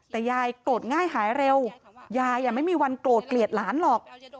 แต่ยายโกรธง่ายหายเร็วยายไม่มีวันโกรธเกลียดหลานหรอก